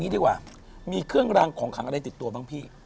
ดีกว่ามีเครื่องรางของขังอะไรติดตัวบ้างพี่